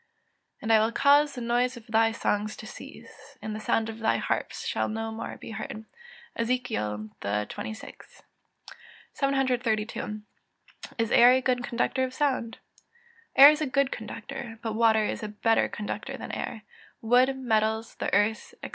[Verse: "And I will cause the noise of thy songs to cease; and the sound of thy harps shall no more be heard." EZEKIEL XXVI.] 732. Is air a good conductor of sound? Air is a good conductor, but water is a better conductor than air; wood, metals, the earth, &c.